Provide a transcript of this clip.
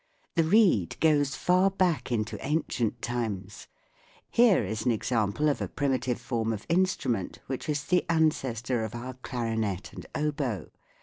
The reed goes far back into ancient times. Here is an example of a primitive form of instrument which is the ancestor of our clarinet and oboe.